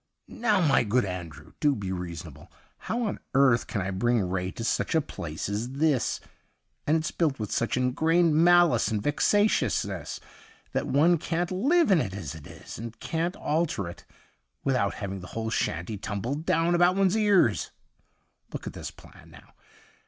' Now, my good Andrew, do be reasonable. How on earth can I bring Ray to such a place as this .^ And it's built with such ingrained malice and vexatiousness that one can't live in it as it is, and can't 137 THE UNDYING THING alter it without having the whole shanty tumble down about one's ears. Look at this plan now.